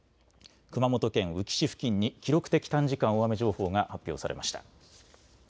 熊本県宇城市付近に記録的短時間大雨情報が発表されました。